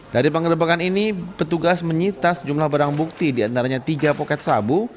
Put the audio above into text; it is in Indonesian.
dari penggerebekan ini petugas menyitas jumlah barang bukti diantaranya tiga poket sabu